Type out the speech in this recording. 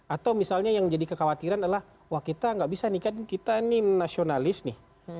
atau misalnya yang jadi kekhawatiran adalah wah kita nggak bisa nih kan kita ini nasionalis nih